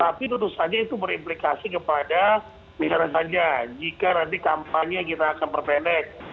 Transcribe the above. tapi tentu saja itu berimplikasi kepada misalnya saja jika nanti kampanye kita akan perpendek